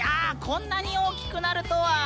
こんなに大きくなるとは。